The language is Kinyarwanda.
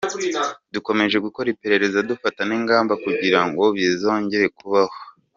Dukomeje gukora iperereza dufata n’ingamba kugira ngo bitazongera kubaho.